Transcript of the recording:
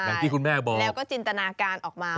อย่างที่คุณแม่บอกแล้วก็จินตนาการออกมา